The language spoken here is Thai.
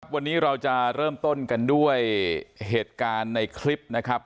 วันนี้เราจะเริ่มต้นกันด้วยเหตุการณ์ในคลิปนะครับ